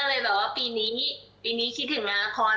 เลยแบบว่าปีนี้ปีนี้คิดถึงงานละคร